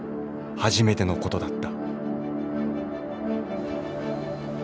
初めてのことだった。